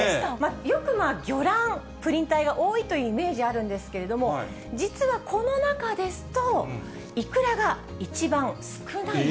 よく魚卵、プリン体が多いというイメージあるんですけれども、実はこの中ですと、えー？